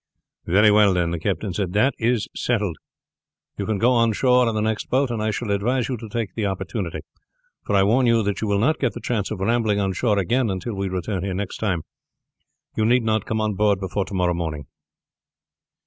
"Very well then," the captain said; "that is settled. You can go on shore in the next boat, and I shall advise you to take the opportunity, for I warn you that you will not get the chance of rambling on shore again until we return here next time. You need not come on board before to morrow morning."